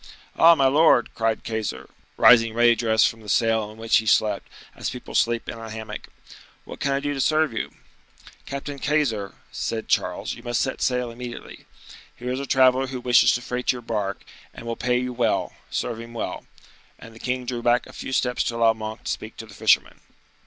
"Ah, my lord!" cried Keyser, rising ready dressed from the sail in which he slept, as people sleep in a hammock. "What can I do to serve you?" "Captain Keyser," said Charles, "you must set sail immediately. Here is a traveler who wishes to freight your bark, and will pay you well; serve him well." And the king drew back a few steps to allow Monk to speak to the fisherman.